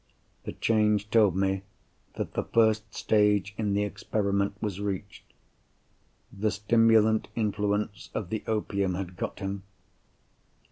That change told me that the first stage in the experiment was reached. The stimulant influence of the opium had got him.